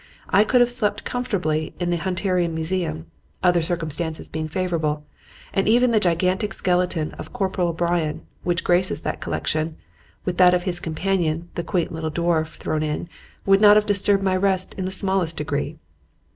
I could have slept comfortably in the Hunterian Museum other circumstances being favorable; and even the gigantic skeleton of Corporal O'Brian which graces that collection with that of his companion, the quaint little dwarf, thrown in, would not have disturbed my rest in the smallest degree.